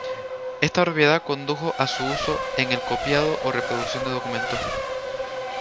Esta propiedad condujo a su uso en el copiado o reproducción de documentos.